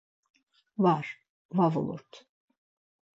Var, va vulurt.